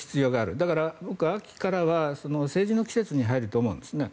だから、秋からは政治の季節に入ると思うんです。